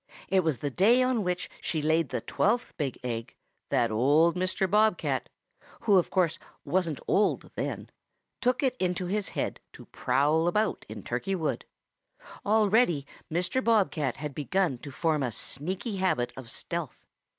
It was the day on which she laid the twelfth big egg that old Mr. Bob cat, who, of course, wasn't old then, took it into his head to prowl about in Turkey Wood. Already Mr. Bob cat had begun to form a sneaky habit of stealth.